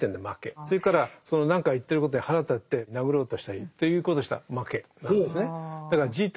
それからその何か言ってることに腹立てて殴ろうとしたりということをしたら負けなんですね。